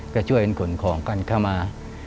ก็ช่วยกันขนของกันเข้ามา